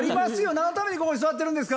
何のためにここに座ってるんですか。